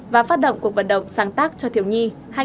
và phát động cuộc vận động sáng tác cho thiếu nhi